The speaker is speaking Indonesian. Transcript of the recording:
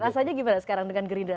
rasanya gimana sekarang dengan gerindra